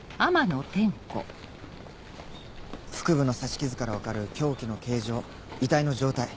腹部の刺し傷から分かる凶器の形状遺体の状態。